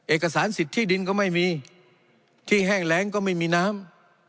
เอกสารสิทธิ์ที่ดินก็ไม่มีที่แห้งแรงก็ไม่มีน้ำ